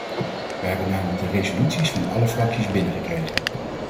Wij hebben namelijk de resoluties van alle fracties binnengekregen.